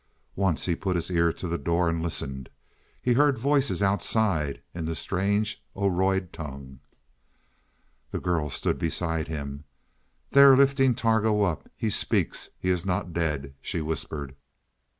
Once he put his ear to the door and listened. He heard voices outside in the strange Oroid tongue. The girl stood beside him. "They are lifting Targo up. He speaks; he is not dead," she whispered.